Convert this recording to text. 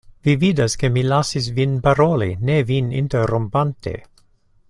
Vi vidas, ke mi lasis vin paroli, ne vin interrompante.